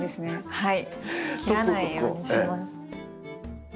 はい。